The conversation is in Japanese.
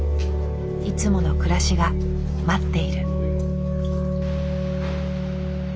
いつもの暮らしが待っている。